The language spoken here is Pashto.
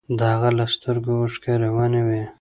د هغه له سترګو اوښکې روانې وې.